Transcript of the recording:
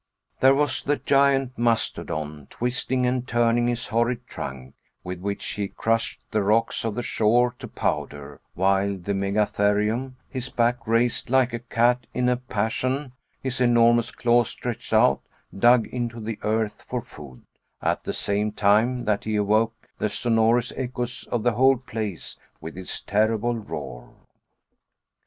There was the giant Mastodon, twisting and turning his horrid trunk, with which he crushed the rocks of the shore to powder, while the Megatherium his back raised like a cat in a passion, his enormous claws stretched out, dug into the earth for food, at the same time that he awoke the sonorous echoes of the whole place with his terrible roar.